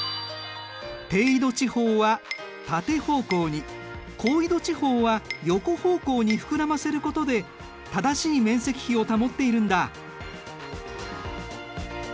低緯度地方は縦方向に高緯度地方は横方向に膨らませることで正しい面積比を保っているんだ。